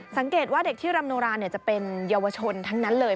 สังเกตว่าเด็กที่รำโนราจะเป็นเยาวชนทั้งนั้นเลย